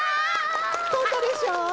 とんだでしょ？